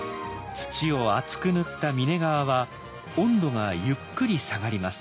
土を厚く塗った峰側は温度がゆっくり下がります。